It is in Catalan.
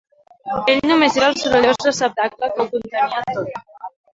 Ell només era el sorollós receptacle que ho contenia tot.